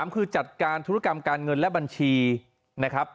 คือจัดการธุรกรรมการเงินและบัญชีนะครับ